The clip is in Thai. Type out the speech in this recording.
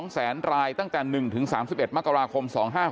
๒แสนรายตั้งแต่๑๓๑มกราคม๒๕๖๖